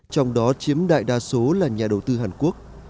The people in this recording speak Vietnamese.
trong đó chiếm đại đa số là nhà đầu tư hàn quốc